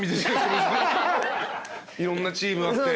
いろんなチームあって。